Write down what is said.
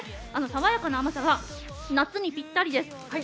爽やかな甘さが夏にぴったりです。